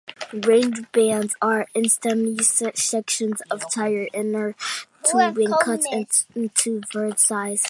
Ranger bands are essentially sections of tire inner tubing cut into various sizes.